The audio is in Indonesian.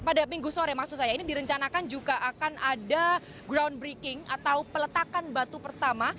pada minggu sore maksud saya ini direncanakan juga akan ada groundbreaking atau peletakan batu pertama